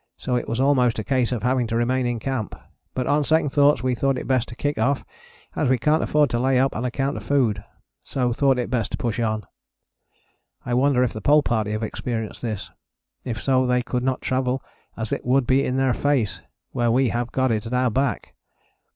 so it was almost a case of having to remain in camp, but on second thoughts we thought it best to kick off as we cant afford to lay up on account of food, so thought it best to push on. I wonder if the Pole Party have experienced this. If so they could not travel as it would be in their face, where we have got it at our back.